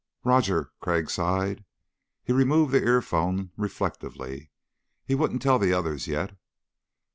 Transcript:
"Roger." Crag sighed. He removed the earphone reflectively. He wouldn't tell the others yet.